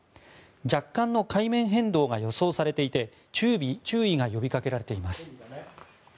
若干の海面変動が予想されていて注意が呼びかけられています。